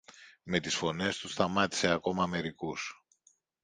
Με τις φωνές του σταμάτησε ακόμα μερικούς.